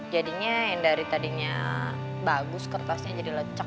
jadinya yang dari tadinya bagus kertasnya jadi lecek